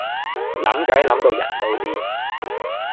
諗計諗到人都癲